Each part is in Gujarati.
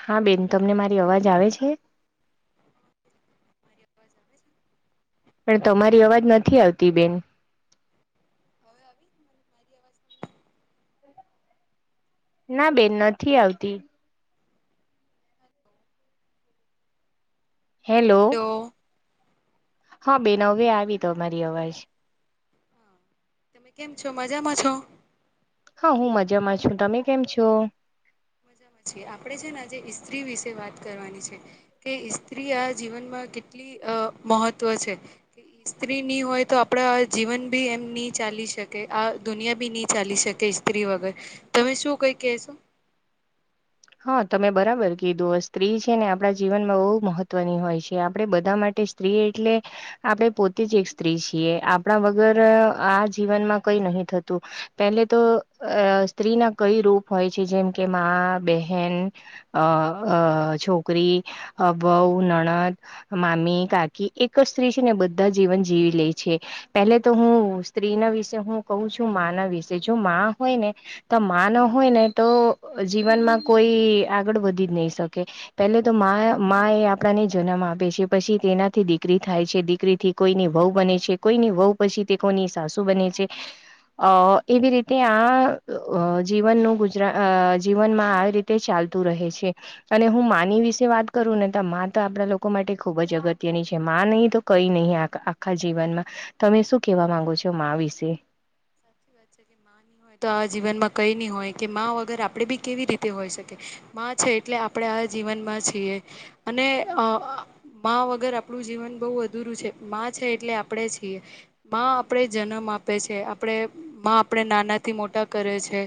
હા બેન તો અમને મારી અવાજ આવે છે મારી અવાજ આવે છે પણ તમારી અવાજ નથી આવતી બેન કવ મારી આવા ના બેન નથી આવતી હેલો હા બેન હવે આવી તો અમારી અવાજ હા તમે કેમ છો મજામાં છો હા હું મજામાં છું તમે કેમ છો આપે છે ને જે ત્રી વિશે વાત કરવાની છે કે સ્ત્રી આ જીવનમાં કેટલી મહત્વ છે સ્ત્રી નની હોય તો આપડા જીવન બી એમ નહી ચાલી શકે આ દુનિયા બી નહી ચાલી શકે સ્ત્રી વગર તમે શું કઈ કેશો હા તમે બરાબર કીધું સ્ત્રી છે ને આપણા જીવનમાં બહુ મહત્વની હોય છે આપણે બધા માટે સ્ત્રી એટલે આપણે પોતે જ એક સ્ત્રી છીએ આપણા વગર આ જીવનમાં કઈ નહી થતું પેલે તો સ્ત્રી ના કઈ રૂપ હોય છે જેમ કે બે ન અ છોકરી બઉ નણદ મામી કાકી એક જ સ્ત્રી છે ને બધા જીવન જીવી લે છે પેલે તો હું સ્ત્રી ના વિશે હું કું છું મા ના વિશે જો માં હોય ને તો મા ન હોય ને તો જીવનમાં કોઈ આગળ વધી જ નહી શકે પેલે તો મા એ આપણાને જનામ આપે છે પછી તેનાથી દીકરી થાય છે દીકરી થી કોઈની વહુ બને છે કોઈની વહુ પછી તે કોઈની સાસુ બને છે અ એવી રીતે આ જીવનનું ગુજરા જીવનમાં આવી રીતે તે ચાલતું રહે છે અને હું માની વિશે વાત કરું ને તો મા તો આપણા લોકો માટે ખુબ જ અગત્ય ની છે માં નહી તો કઈ નહીં આખા જીવનમાં તમે શું કેવા માંગો છો વિશે હ સાચી હોય તો આ જીવન માં કઈની હોય કે વગર આપડે બી કેવી રીતે હોય શકે છે એટલે આપણે આ જીવનમાં છીએ અને અ મા વગર આપણું જીવન બહુ અધૂરું છે મા છે એટલે આપણે છીએ મા આપણે જન્મ આપે છે આપણે માં આપણે નાનાથી મોટા કરે છે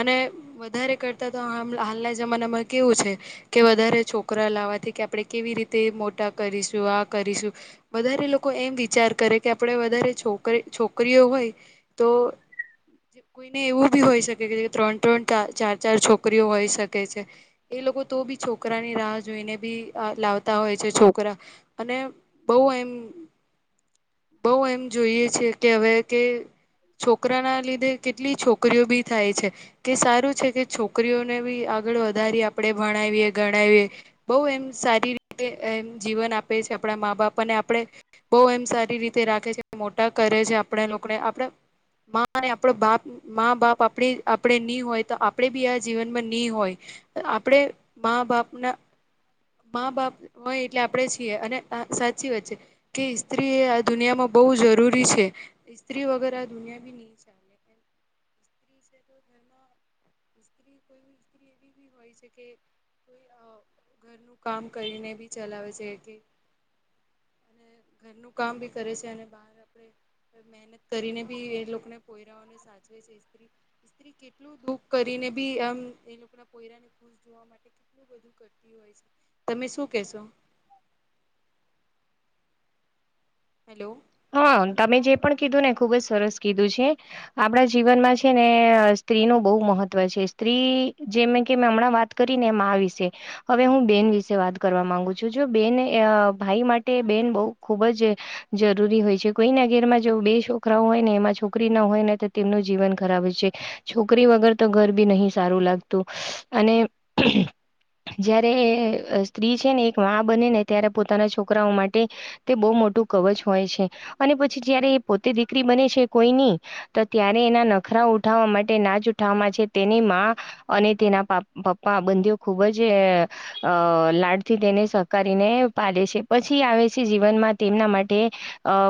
અને વધારે કરતા તો હાલના જમાનામાં કેવું છે કે વધારે છોકરા લાવવા આપણે કેવી રીતે મોટા કરીશું આ કરીશું બારે લોકો એમ વિચાર કરે કે આપણે વધારે છોકરી છોકરીઓ હોય તો કોઈને એવું બી હોઈ શકે કે ત્રણ ત્રણ ચાર ચાર છોકરીઓ હોઈ શકે છે એ લોકો તો બી છોકરાની રાહ જોઈને બી લાવતા હોય છે છોકરા અને બહ એમ બઉ એમ જોઈએ છે કે હવે કે છોકરા ના લીધે કેટલી છોકરીઓ બી થાય છે કે સારું છે કે છોકરીઓને બી આગળ વધારી આપ આપણે ભણાવીએ ગણાવીએ બહ એમ સારી રીતે એમ જીવન આપે છે આપણા મા બાપાને આપણે બહ એમ સારી રીતે રાખે છે મોટા કરે છે આપણે લોકોને આપણે અને આપડો બાપ મા બાપ આપ આપડે ની હોય તો આપડે બી આ જીવન માં ની હોય આપડે મા બાપના મા બાપ હોય એટલે આપણેે છીએ અને સાચી વાત છે કે ઇસ્ત્રી એ આ દુનિયામાં બહુ બ જરૂરી છે સ્સ્ત્રી વગર આ દુનિયા બી સ્ત્રી છે તો ઘરમાં સ્ત્રી કોઈ સ્ત્રી એવી બી હોય છે કે કોઈ ઘરનું કામ કરીને બી ચલાવે છે કે [inaudible] અને ઘરનું કામ બી કરે છે અને બહાર આપડે મહેનત કરીને બી એ લોકોને પોયરાઓને સાચવે છે સ્ત્રી સ્ત્રી કેટલું દુઃખ કરીને નેીમ એ લોકો કોરાને ખુ જોવા માટે કેટલું બધું કરતી હોય છે તમે શું કેશો હેલો હા તમે જે પણ કીધું ને ખુબ જ સરસ કીધું છે આપણા જીવનમાં છે ને સ્ત્રી ન બહુ મહત્વ છે સ્ત્રી જેમ કે હમણાં વાત કરી ને એમ આ વિશે હવે હું બેન વિ વાત કરવા માંગુ છું જો બેન ભાઈ માટે બેન બહ ખુબ જ જરૂ જરૂરી હોય છે કોઈના ઘેરમાં જો બે છોકરા હોય ને એમાં છોકરી ના હોય ને તો તેમનું જીવન ખરાબ છે છોકરી વગર તો ઘર બી નહી સારું લાગતું અને જયારે એ સ્ત્રી છે ને એક મા બને ને ત્યારે પોતાના છોકરાઓ માટે તે બહુ મોટ ું કવચ હોય છે અને પછી જયારે એ પોતે દીકરી બને છે કોઈની તો ત્યારે એના નખરા ઉઠાવવા માટે ના જ ઉઠાવ છે તેની માં અને તેના પપ્પા બંધીઓ ખુબ જ અ લાડથી તેને સહકારીને પાડે છે પછી આવે છે જીવનમાં તેમના માટે તે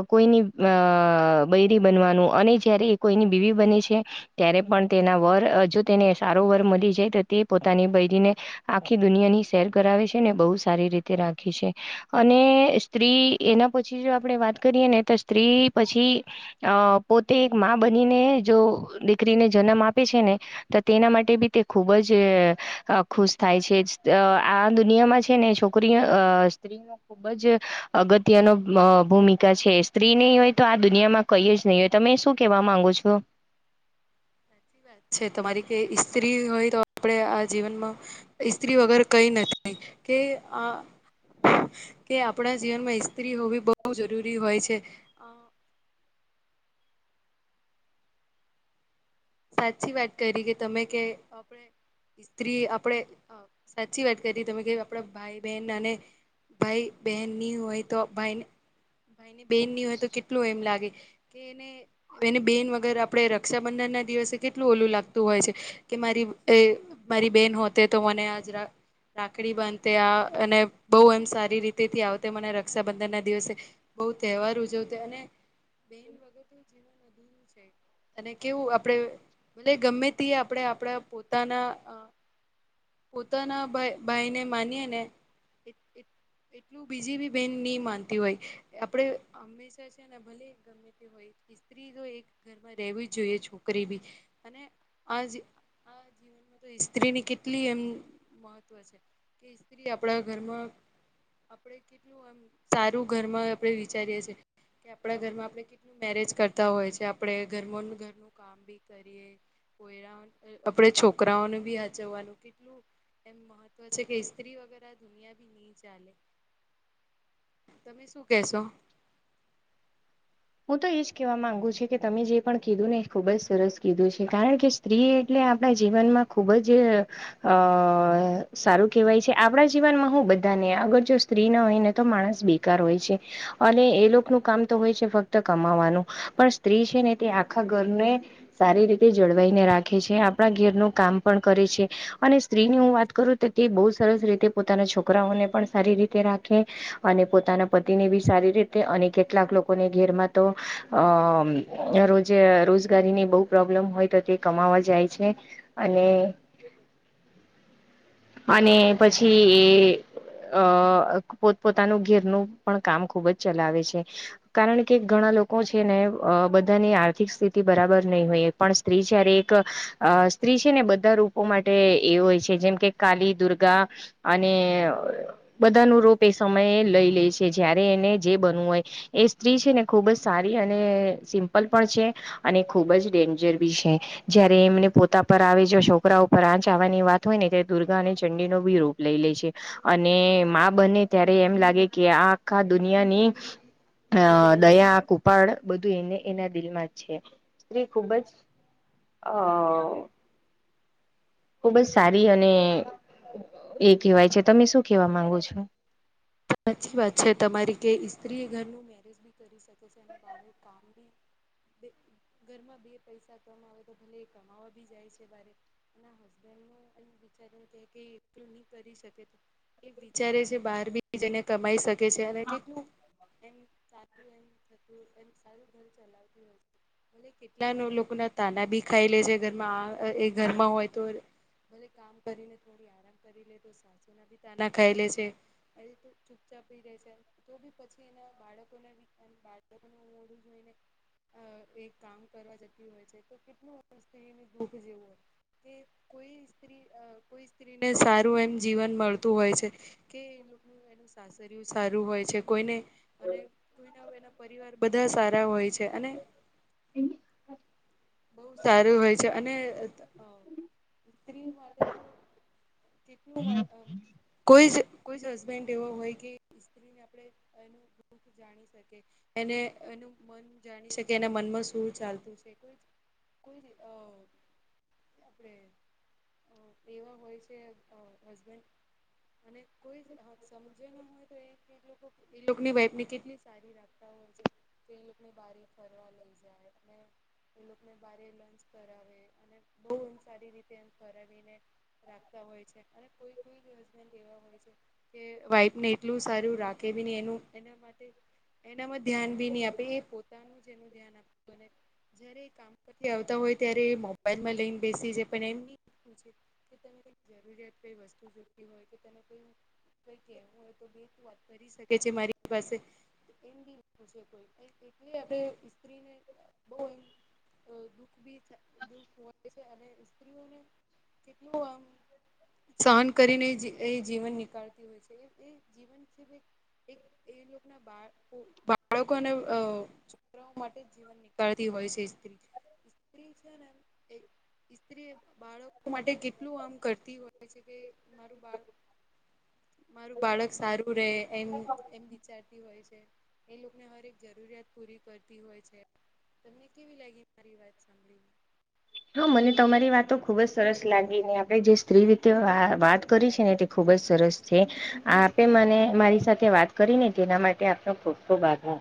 કોઈની અ બૈરી બનવાનું અને જય્યારે એ કોઈની બીવી બને છે ત્યારે પણ તેના વર જો તેને સારો વર મળી જાય તો તે પોતાની બયરીને આખી દુનિયા ની સેર કરાવે છેને બહ સારી રીતે રાખે છે અને સ્ત્રી એના પ પછી જો આપડે વાત કરીએ ને તો સ્ત્રી પછી અ પોતે એક બનીને જો દીકરીને જન્મ આપે છે ને તો તેના માટે બી તે ખુબ જ ખુશ થાય છે આ દુનિયામાં છે ને છોકરીઓ સ્ત્રીનો ખુબ જ અગત્યનો અ ભૂમિકા છે સ્ત્રી નહી હોય તો આ દુનિયામાં કઈ જ નહીિ હોય તમે શું કેવા માંગો છો [inaudible] સાચી વાત છે તમારી કે ઈસ્ત્રી હોય તો આપણે આ જીવનમાં ઈસ્ત્રી વગર કઈ નથી કે આ કે આપણા જીવનમાં સ્ત્રી હોવી બહુ જરૂરી હોય છે સાચી વાત કરી કે તમે કે આપણે સ્ત્રી આપણે સાચી વાત કરી તમે કે આપડા ભાઈ બહેન અને ભાઈ બેહેન ની હોય તો ભાઈ એની બેન ની હોય તો કેટલું એમ લાગે કે એને એને બેન વગર આપણે રક્ષાબંધન ના દિવસે કેટલું ઓલું લાગતું હોય છે કે મારી મારી બેન હોતે તો મને રાખડી બાંધ આ અને બહ એમ સારી રીતે થી આવતે મને રક્ષાબંધન દિવસે બહ તહેવાર ઉજવતો અને બે વગ જીવ ત કેવું આપણે ગમે તે આપણે આપણા પોતાના પોતાના ભાઈ ને માનીએે ને એટલું બીજી બી બેન નહી માનતી હોય આપડે હંમેશા છે ને ભલે ગમે હોય સ્ત્રી તો એક ઘરમાં રહેવી જોઈએ છોકરી બી અને આજ આ જીવનમાં તો સ્સ્ત્રીની કેટલી એમ મહત્વ છે કે સ્ત્રી આપણા ઘરમાં આપડ કેટલું એમ સારું ઘરમાં આપણે વિચારીએીએ કે આપણા ઘરમાં આપડણે કેટલું મેરેજ કરતા હોય છે આપડે ઘર ઘરનું કામ બી કરીએ કોરા આપણે છોકરાઓને બી હચવવાનું કેટલું એમ મહત્વ છે કે ઇસ્ત્રી વગર આ દુનિયા ભી નહી ચાલે તમે શું કેશો હું તો એજ કેહેવા માંગુ છું કે તમે જે પણ કીધું ને એ ખુબ જ સરસ કીધું છે કારણ કે સ્ત્રી એટલે આપણા જીવનમાં ખુબ જ અ સારું કહેવાય છે આપણા જીવનમાં હું બધા બધાને અગર જો સ્ત્રી ના હોય ને તો માણસ બેકાર હોય છે અને એ લોકો ન કામ તો હોય છે ફક્ત કમાવાનું પણ સ્ત્રી છે ને તે આખા ઘરને સારી રીતે જળવાઈને રાખે છે આપણા ઘરનું કામ પણ કરે છે અને સ્ત્રીની હું વાત કરું તો તે બહુ સરસ રીતે પોતાના છોકરાઓ સારી રી રાખે અને પોતાના પતિને બી સારી રીતે અને કેટલાક લોકોને ઘેરમાં તો અ રોજે રોજગારી ની બહુ પ્રોબ્લેમ હોય તો તે કમાવા જાય છે અને અને પછી એ અ પોતપોતાનું ઘેરનું પણ કામ ખુબ જ ચલાવે છે કારણ કે કે ઘણા લોકો છે ને બધાની આર્થિક સ્થિતિ બરાબર નહીં હોય એક પણ સ્ત્રી જ્યારે એક અ સ્ત્રી છે ને બધા રૂપો માટે એ હોય છે જેમ કે કાલી દુર્ગા અને બધા ન રોપ એ સમયે લઈ લે છે જયારે એને જે બનવું હોય એ ને ખૂબ જ સારી અને સિમ્પલ પણ છે અને ખૂબ જ ડેન્જર બી છે ત્યારે એમને પોતા પર આવે જો છોકરા પર આંચ આવવાની વાત હોય ને ત્યારે દુર્ગા અને ચંડીનો બી રરૂપ લઈ લે છે અને બને ત્યારે એમ લાગે કે આ આખા દુનિયાની અ દયા કુપાડ બધું એને એના દિલમાં જ છે સ્ત્રી ખૂબ જ હ ખુબ જ સારી અને એ કહેવાય છે તમે શું કેવા માંગો છો સાચી વાત છે તમારી કે સ્ત્રી ઘરનું મેરેજ બી કરી શકે છે અને બ કામ બી ઘરમાં બે પૈસા કમાવે તો ભલે એ કમાવા ભી જાય છેરે હબન્ ટલ નહી કરી શકે એ વિચારે છે બાર જેને કમાઈ શકે છે અને કેટલું એ ચ કેટલા લોકો ના તાના બી ખાઈ લેજ ઘરમાં એ ઘરમાં હોય તો કામ કરીને થોડી આરામ કરી લે તો સાસુના બી તાના ખાઈ લે છે એ રીત ચૂપચાપ થઇ જાય છે તો બી પછી એના બાળકોને મૉંઢુ જોઈને અ એક કામ કરવા જતી હોય છે તો કેટલાં વર્ષનું દુઃખ જેવું હોય કે કોઈ સ્ત્રી કોઈ સ્ત્રીને સારું એમ જીવન મળતું હોય છે કે સાસરીયુ સારું હોય છે કોઈને અને કોઈના એના પરિવાર બધા સારા હોય છે અને એની બહુ સારું હોય છે અને સ્ત્રી માટે તેટલું કોઈ કોઈ હસબન્ડ એવો હોય કે સ્ત્રીને આપ જાણી શકે એને એનું મન જાણી શકે એના મનમાં શું ચાલતું છે કોઈ રીત આપણેે એવા હોય છે હસબેન્ડ અને કોઈ સમજે ના હોય તો એ લોકોની વાઈફની કેટલી સારી રીતે હોય છે તો એ લોકોને બારે ફરવા લઈ જાય અને એ લોકોને બારે લંચ કરાવે અને બહુ એ સારી રીતે એમ ફરાવીને રાખતા હોય છે અને કોઈ કોઈ હસબેન્ડ એવા વાઈફને એટલું સારું રાખે ન એનુ એના માટે એનામાં ધ્યાન બી નહી આપે એ પોતાનું આવ હોય ત્યારે મોબાઈલમાં લઈને બેસી છે એમ જરૂરત કઈ વસ્તુ જોતી હોય કે તે કઈ કેવું હોય તો બે વાત કરી શકે છે મારી પાસે સ્ત્રીને બ એમ દુઃખ બી દુઃખ હોય છે અને સ્ત્રીઓને કેટલું આમ સહન કરીને એ જીવન નીકળ [inaudible] અને છોકરાઓ માટે જીવન નીકળતી હોય છે સ્ત્રી [inaudible] સ્ત્રી બાળકો માટે કેટલું આમ કરતી હોય છે કે મારું બાળ મારું બાળક સારું રહે એમ વિચારતી હોય છે એ લોકોને દરેક જરૂરિયાત પૂરી કરતી હોય છે તમને કેવી લાગી મારી વાત સાંભળીને હા મને તમારી વાતો ખુબ જ સરસ લાગી ને આપણે જે સ્ત્રી રીતે વાત કરી છે ને તે ખૂબ ખૂબ જ સરસ છે આપે મને મારી સાથે વાત કરી ને તેના માટે આપનો ખૂબ ખૂબ આભાર હમ